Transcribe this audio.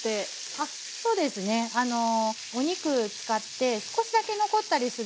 そうですねお肉使って少しだけ残ったりするので。